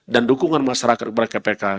dan dukungan masyarakat kepala kpk